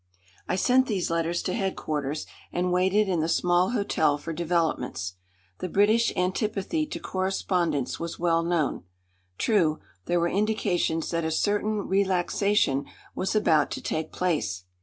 I sent these letters to headquarters, and waited in the small hotel for developments. The British antipathy to correspondents was well known. True, there were indications that a certain relaxation was about to take place.